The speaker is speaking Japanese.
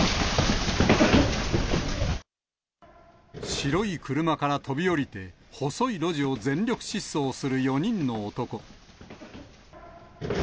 白い車から飛び降りて、細い路地を全力疾走する４人の男。